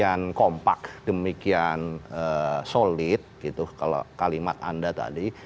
dan tentu karena prosesnya itu sudah demikian kompak demikian solid gitu kalau kalimat anda tadi